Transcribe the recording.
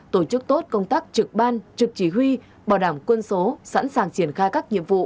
tổ chức tốt công tác trực ban trực chỉ huy bảo đảm quân số sẵn sàng triển khai các nhiệm vụ